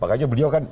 makanya beliau kan